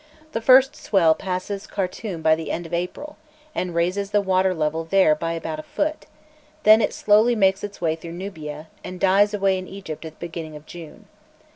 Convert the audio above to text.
The first swell passes Khartum by the end of April, and raises the water level there by about a foot, then it slowly makes its way through Nubia, and dies away in Egypt at the beginning of June.